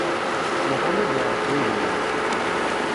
Muḥal ad iɛṛeq wudem-im.